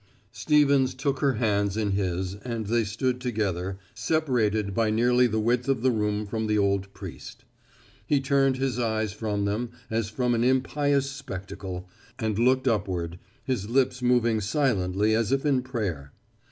Stevens took her hands in his and they stood together, separated by nearly the width of the room from the old priest. He turned his eyes from them as from an impious spectacle, and looked upward, his lips moving silently as if in prayer.